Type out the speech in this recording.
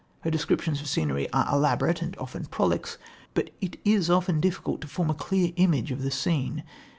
Her descriptions of scenery are elaborate, and often prolix, but it is often difficult to form a clear image of the scene.